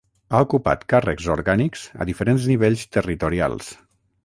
Ha ocupat càrrecs orgànics a diferents nivells territorials.